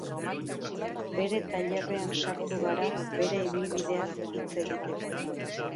Bere tailerrean sartu gara bere ibilbideaz hitz egiteko.